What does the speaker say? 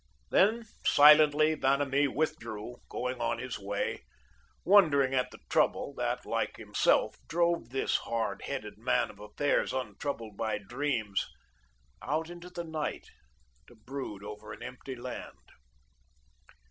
Then silently Vanamee withdrew, going on his way, wondering at the trouble that, like himself, drove this hardheaded man of affairs, untroubled by dreams, out into the night to brood over an empty land.